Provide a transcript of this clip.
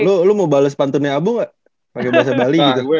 lu lo mau bales pantunnya abu gak pakai bahasa bali gitu